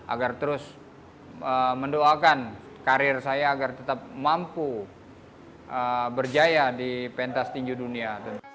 agar terus mendoakan karir saya agar tetap mampu berjaya di pentas tinju dunia